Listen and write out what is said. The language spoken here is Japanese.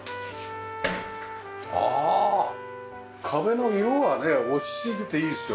ああ壁の色がね落ち着いてていいですよね。